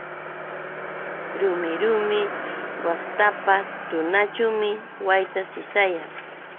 Rumi rumi waqtapa tunaćhuumi wayta sisayan.